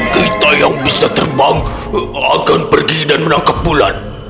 kita yang bisa terbang akan pergi dan menangkap bulan